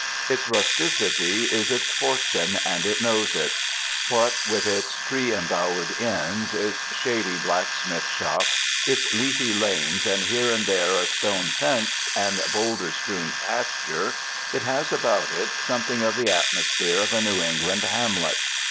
Its rusticity is its fortune and it knows it. What with its tree embowered inns, its shady black smith shop, its leafy lanes and here and there a stone fence and bowlder strewn pasture, it has about it something of the atmosphere of a New England ham let.